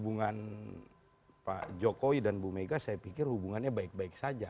hubungan pak jokowi dan bu mega saya pikir hubungannya baik baik saja